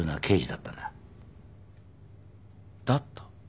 「だった」？